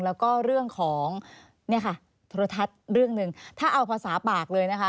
แล้วก็เรื่องของเนี่ยค่ะโทรทัศน์เรื่องหนึ่งถ้าเอาภาษาปากเลยนะคะ